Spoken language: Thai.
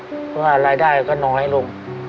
เพราะว่ารายได้ก็น้อยลง